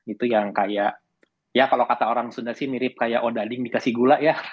itu yang kayak ya kalau kata orang sunda sih mirip kayak odading dikasih gula ya